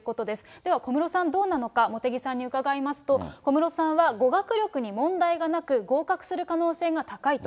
では、小室さん、どうなのか、茂木さんに伺いますと、小室さんは語学力に問題がなく、合格する可能性が高いと。